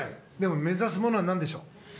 目指すものは何でしょう？